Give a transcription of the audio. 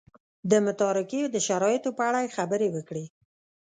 د متارکې د شرایطو په اړه یې خبرې وکړې.